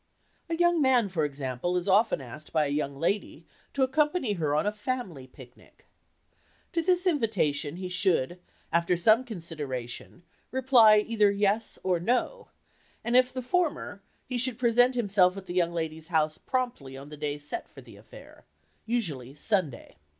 A young man, for example, is often asked by a young lady to accompany her on a "family picnic." To this invitation he should, after some consideration, reply either "Yes" or "No," and if the former, he should present himself at the young lady's house promptly on the day set for the affair (usually Sunday).